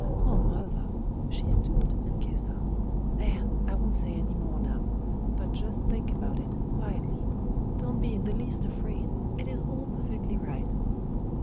"Oh! mother!" She stooped and kissed her. "There! I won't say any more now. But just think about it quietly. Don't be in the least afraid; it is all perfectly right."